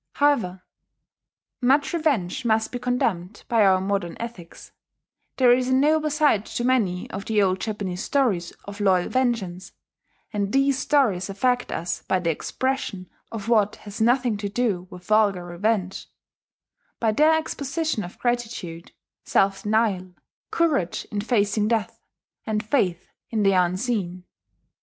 However much revenge must be condemned by our modern ethics, there is a noble side to many of the old Japanese stories of loyal vengeance; and these stories affect us by the expression of what has nothing to do with vulgar revenge, by their exposition of gratitude, self denial, courage in facing death, and faith in the unseen.